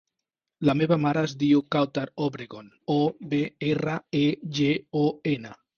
La meva mare es diu Kawtar Obregon: o, be, erra, e, ge, o, ena.